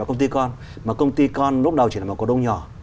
công ty con mà công ty con lúc đầu chỉ là một cổ đông nhỏ